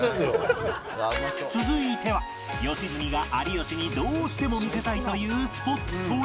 続いては良純が有吉にどうしても見せたいというスポットへ